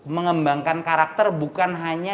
mengembangkan karakter bukan hanya